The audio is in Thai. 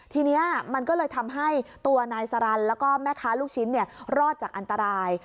ทีนี้มันก็เลยทำให้ตัวนายสรรคแล้วก็แม่ค้าลูกชิ้นรอดจากอันตราย